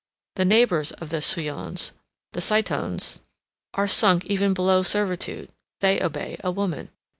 The neighbors of the Suiones, the Sitones, are sunk even below servitude; they obey a woman."